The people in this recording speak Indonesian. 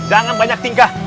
jangan banyak tingkah